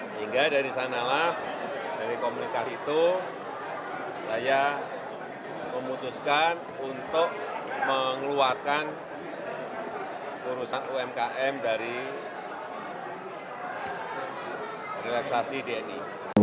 sehingga dari sanalah dari komunikasi itu saya memutuskan untuk mengeluarkan urusan umkm dari relaksasi dni